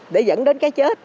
để dẫn đến cái chết